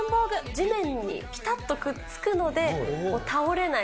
地面にぴたっとくっつくので倒れない。